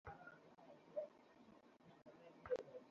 তবে দুই বছর আগে তৃণমূল পর্যায়ে আহ্বায়ক কমিটি গঠন করা হয়েছিল।